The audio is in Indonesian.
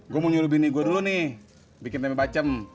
gue mau nyuruh bini gue dulu nih bikin tempe bacem